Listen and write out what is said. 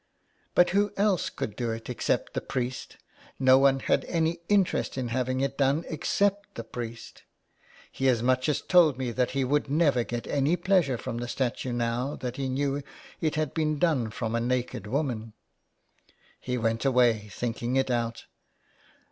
" But who else could do it except the priest ? No one had any interest in having it done except the priest. He as much as told me that he would never get any pleasure from the statue now that he knew it had been done from a naked woman. He went away thinking it out.